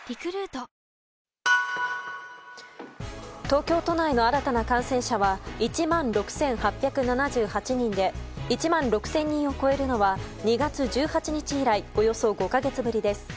東京都内の新たな感染者は１万６８７８人で１万６０００人を超えるのは２月１８日以来およそ５か月ぶりです。